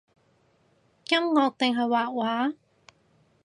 音樂定係畫畫？